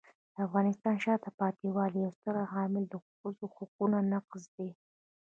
د افغانستان د شاته پاتې والي یو ستر عامل ښځو حقونو نقض دی.